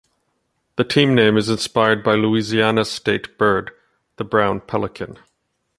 The team name is inspired by Louisiana's state bird, the brown pelican.